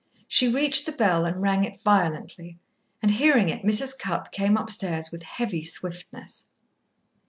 She reached the bell and rang it violently, and hearing it, Mrs. Cupp came upstairs with heavy swiftness.